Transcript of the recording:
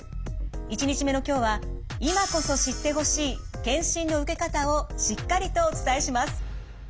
１日目の今日は今こそ知ってほしい検診の受け方をしっかりとお伝えします。